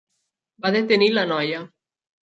Va detenir la noia.